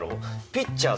ピッチャー